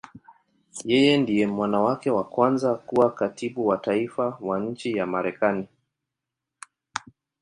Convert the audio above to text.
Yeye ndiye mwanamke wa kwanza kuwa Katibu wa Taifa wa nchi ya Marekani.